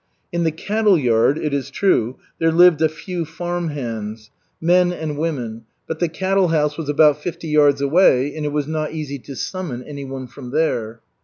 In the cattle yard, it is true, there lived a few farm hands, men and women, but the cattle house was about fifty yards away and it was not easy to summon any one from there.